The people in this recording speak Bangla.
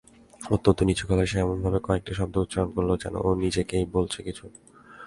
অত্যন্ত নিচুগলায় সে এমনভাবে কয়েকটি কথা উচ্চারণ করল, যেন ও নিজেকেই বলছে কিছু।